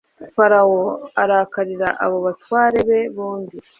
farawo arakarira abo batware be bombi